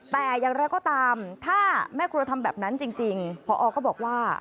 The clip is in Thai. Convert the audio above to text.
แต่อย่างไรก็ตามถ้าแม่ครัวทำแบบนั้นจริงพอก็บอกว่า